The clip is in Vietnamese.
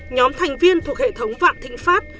nhóm thành viên thuộc hệ thống vạn thịnh pháp